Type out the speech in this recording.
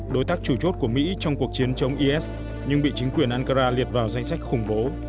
đối tác chủ chốt của mỹ trong cuộc chiến chống is nhưng bị chính quyền ankara liệt vào danh sách khủng bố